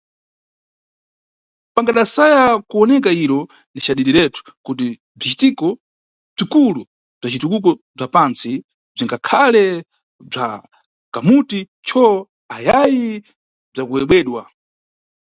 Pangadasaya kuwoneka iro, ni cadidiretu, kuti bzicitiko bzikulu bza citukuko bza pantsi bzingadakhale bza kamuti cho ayayi bzakuyebwedwa.